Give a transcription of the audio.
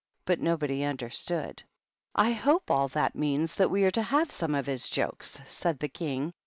But nobody understood. "I hope all that means that we are to have some of his jokes," said the King.